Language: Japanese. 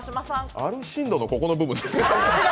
アルシンドのここの部分ですか？